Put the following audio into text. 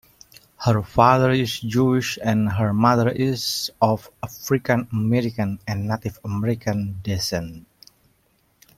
Her father is Jewish and her mother is of African-American and Native American descent.